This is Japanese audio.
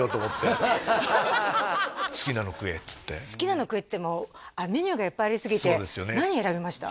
「好きなの食え」っつって「好きなの食え」っていってもメニューがいっぱいありすぎて何選びました？